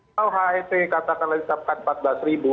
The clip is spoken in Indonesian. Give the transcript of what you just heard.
kalau hit katakanlah disatukan rp empat belas